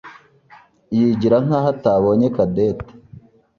yigira nkaho atabonye Cadette.